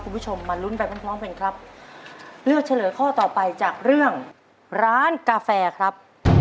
คุณผู้ชมมาลุ้นไปพร้อมพร้อมกันครับเลือกเฉลยข้อต่อไปจากเรื่องร้านกาแฟครับ